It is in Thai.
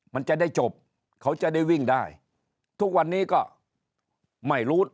มันจะได้จบเขาจะได้วิ่งได้ทุกวันนี้ก็ไม่รู้